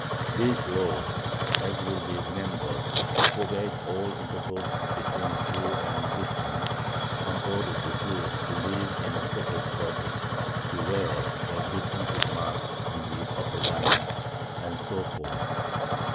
These laws, as will be remembered, forbade all intercourse between Jew and Christian, and ordered the Jews to live in separate quarters, to wear a distinctive mark on the upper garment, and so forth.